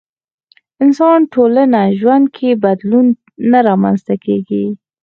انسان ټولنه ژوند کې بدلون نه رامنځته کېږي.